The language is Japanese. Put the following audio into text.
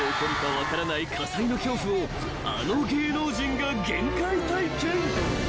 火災の恐怖をあの芸能人が限界体験］